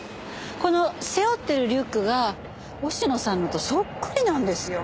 この背負ってるリュックが忍野さんのとそっくりなんですよ。